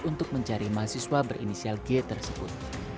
untuk mencari mahasiswa berinisial g tersebut